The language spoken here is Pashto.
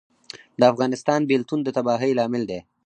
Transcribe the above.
د افغانستان بیلتون د تباهۍ لامل دی